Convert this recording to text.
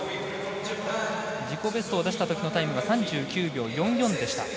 自己ベストを出したときのタイムが３９秒４４でした。